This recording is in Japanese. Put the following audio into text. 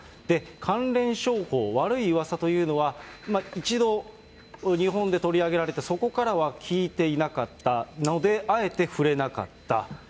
関連商法、悪いうわさというのは、一度、日本で取り上げられて、そこからは聞いていなかったので、あえて触れなかった。